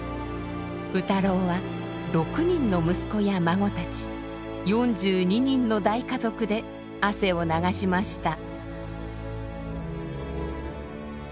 卯太郎は６人の息子や孫たち４２人の大家族で汗を流しました。